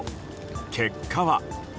結果は。